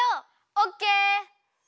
オッケー！